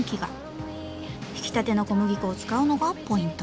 ひきたての小麦粉を使うのがポイント。